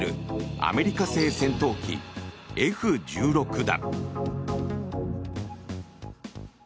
アメリカ製戦闘機Ｆ１６だ。